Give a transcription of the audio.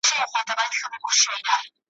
لکه شمع یم په ورځ کي د لمر مخي ته بلېږم `